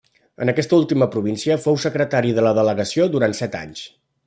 En aquesta última província fou secretari de la Delegació durant set anys.